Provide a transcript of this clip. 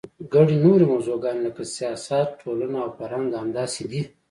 ګڼې نورې موضوعګانې لکه سیاست، ټولنه او فرهنګ همداسې دي.